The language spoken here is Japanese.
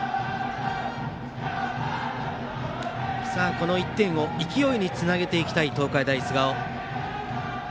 この１点を勢いにつなげていきたい東海大菅生。